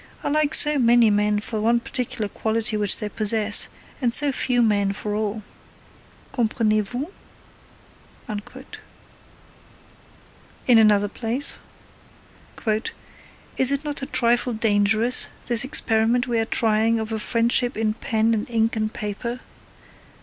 I like so many men for one particular quality which they possess, and so few men for all. Comprenez vous? In another place: Is it not a trifle dangerous, this experiment we are trying of a friendship in pen and ink and paper?